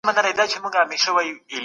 مور مي خوشحاله ده.